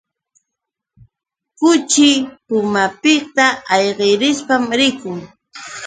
Kuchi pumapiqta ayqishpam rikun.